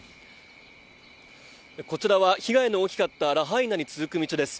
こちらは被害の大きかったラハイナに続く道です。